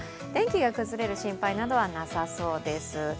天気が崩れる心配などはなさそうです。